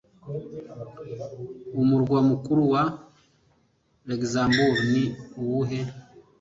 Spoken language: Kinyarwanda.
Umurwa mukuru wa Luxembourg ni uwuhe?